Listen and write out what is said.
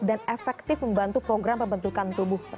dan efektif membantu program pembentukan tubuh